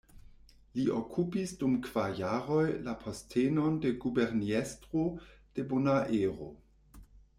Li okupis dum kvar jaroj la postenon de Guberniestro de Bonaero.